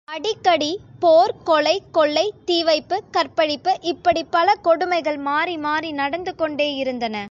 அடிக்கடி போர் கொலை கொள்ளை தீவைப்பு கற்பழிப்பு இப்படிப் பல கொடுமைகள் மாறி மாறி நடந்துகொண்டேயிருந்தன.